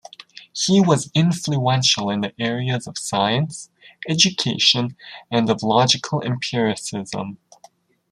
He was influential in the areas of science, education, and of logical empiricism.